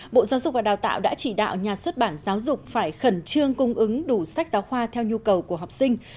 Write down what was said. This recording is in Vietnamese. bộ giáo dục và đào tạo đã chỉ đạo nhà xuất bản giáo dục phải khẩn trương cung ứng đủ sách giáo khoa theo nhu cầu của học sinh